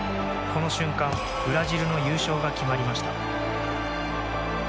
この瞬間ブラジルの優勝が決まりました。